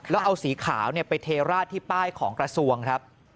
แล้วเอาสีขาวไปเทราดที่ป้ายของกระทรวงครับ